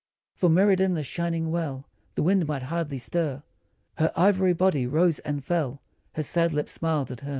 For mirrored in the shining well The wind might hardly stir Her ivory body rose and fell, Her sad lips smiled at her.